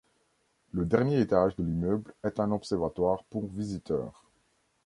Le dernier étage de l'immeuble est un observatoire pour visiteurs.